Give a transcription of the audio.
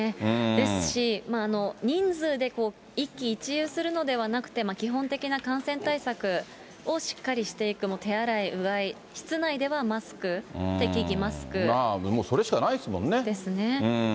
ですし、人数で一喜一憂するのではなくて、基本的な感染対策をしっかりしていく、手洗い、うがい、室内ではマスク、もうそれしかないですもんね。